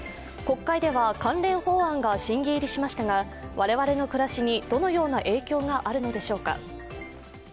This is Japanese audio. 国会では関連法案が審議入りしましたが、我々の暮らしにどのような影響があるのでしょうか。